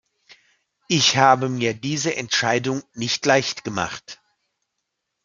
Ich habe mir diese Entscheidung nicht leicht gemacht.